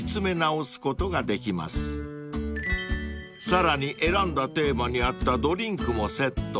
［さらに選んだテーマに合ったドリンクもセット］